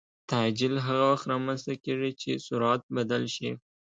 تعجیل هغه وخت رامنځته کېږي چې سرعت بدل شي.